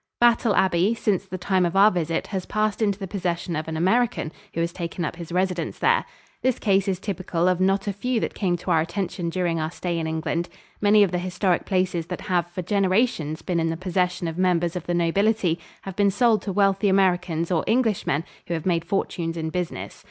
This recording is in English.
Battle Abbey, since the time of our visit, has passed into the possession of an American, who has taken up his residence there. This case is typical of not a few that came to our attention during our stay in England. Many of the historic places that have for generations been in the possession of members of the nobility have been sold to wealthy Americans or Englishmen who have made fortunes in business.